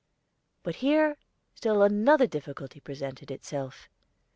But here still another difficulty presented itself.